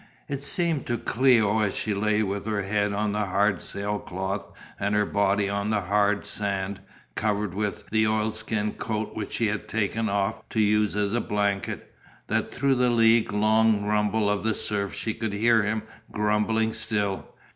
It seemed to Cléo as she lay with her head on the hard sailcloth and her body on the hard sand, covered with the oilskin coat which she had taken off to use as a blanket, that through the league long rumble of the surf she could hear him grumbling still.